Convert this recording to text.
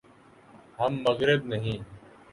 ہم مغرب نہیں۔